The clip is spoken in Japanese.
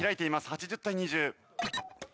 ８０対２０。